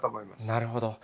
なるほど。